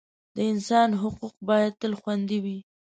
د انسان حقوق باید تل خوندي وي.